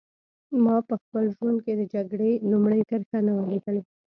ما په خپل ژوند کې د جګړې لومړۍ کرښه نه وه لیدلې